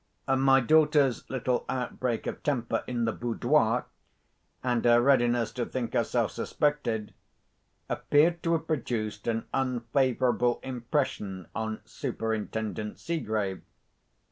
My daughter's little outbreak of temper in the "boudoir," and her readiness to think herself suspected, appeared to have produced an unfavourable impression on Superintendent Seegrave.